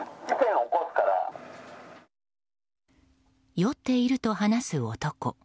酔っていると話す男。